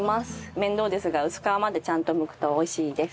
面倒ですが薄皮までちゃんとむくと美味しいです。